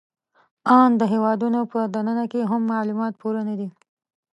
آن د هېوادونو په دننه کې هم معلومات پوره نهدي